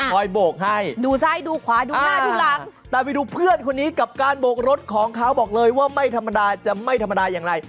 คอยโบกให้ดูซ้ายดูขวาดูหน้าที่หลัง